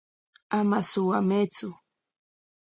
Ama suwamaytsu.